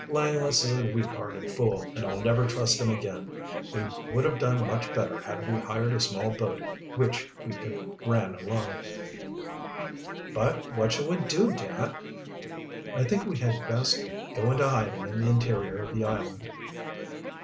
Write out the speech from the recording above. "Langless is a weak hearted fool, and I'll never trust him again. We would have done much better had we hired a small boat which we could ran alone." "But what shall we do, dad?" "I think we had best go into hiding in the interior of the island.